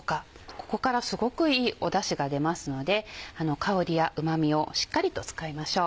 ここからすごくいいダシが出ますので香りや旨味をしっかりと使いましょう。